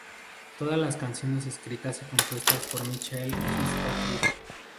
Todas las canciones escritas y compuestas por Michael Fitzpatrick.